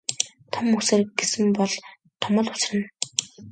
Том үсэр гэсэн бол том л үсэрнэ.